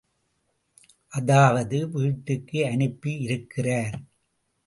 அதாவது வீட்டுக்கு அனுப்பியிருக்கிறார்.